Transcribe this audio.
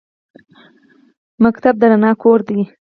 مکتب د رڼا کور دی